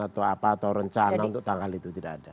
atau apa atau rencana untuk tanggal itu tidak ada